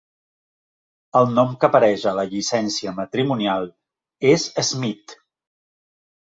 El nom que apareix a la llicència matrimonial és Smith.